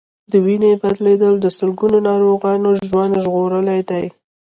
د وینې بدلېدل د سلګونو ناروغانو ژوند ژغورلی دی.